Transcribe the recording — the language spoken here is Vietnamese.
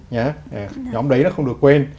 nhóm đấy nó không được quên